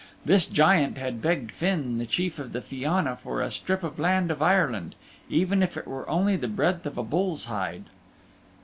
This Giant had begged Finn, the Chief of the Fianna, for a strip of the land of Ireland, even if it were only the breadth of a bull's hide.